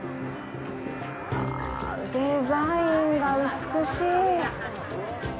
あ、デザインが美しい。